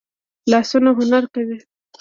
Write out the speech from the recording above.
لاسونه هنر کوي